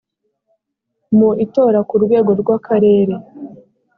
mu itora ku rwego rw’akarere